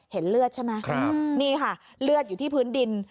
เห็นเลือดใช่ไหมครับนี่ค่ะเลือดอยู่ที่พื้นดิน